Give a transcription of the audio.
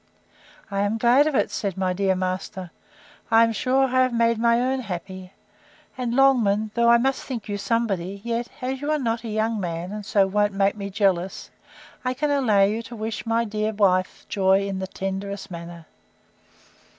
—I am glad of it, said my dear master; I am sure I have made my own happy: and, Longman, though I must think you SOMEBODY, yet, as you are not a young man, and so won't make me jealous, I can allow you to wish my dear wife joy in the tenderest manner.